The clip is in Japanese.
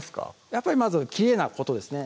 やっぱりまずきれいなことですね